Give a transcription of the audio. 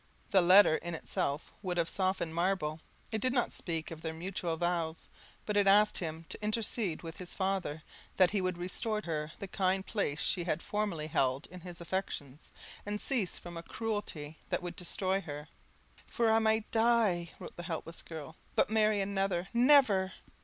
The letter in itself would have softened marble; it did not speak of their mutual vows, it but asked him to intercede with his father, that he would restore her to the kind place she had formerly held in his affections, and cease from a cruelty that would destroy her. "For I may die," wrote the hapless girl, "but marry another never!"